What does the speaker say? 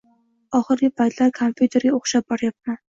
Oxirgi paytlar kompyuterga o'xshab boryapman